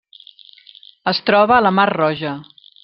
Es troba a la Mar Roja.